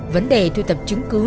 vấn đề thu thập chứng cứ